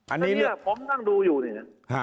อันนี้ผมนั่งดูอยู่เนี่ย